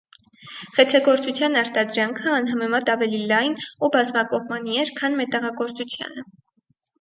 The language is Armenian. Խեցեգործության արտադրանքը անհամեմատ ավելի լայն ու բազմակողմանի էր, քան մետաղագործությանը։